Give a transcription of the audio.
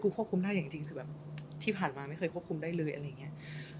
คือควบคุมได้อย่างจริงคือแบบที่ผ่านมาไม่เคยควบคุมได้เลยอะไรอย่างนี้